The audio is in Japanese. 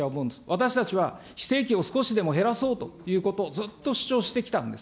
私たちは非正規を少しでも減らそうということ、ずっと主張してきたんです。